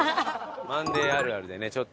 『マンデー』あるあるでねちょっと。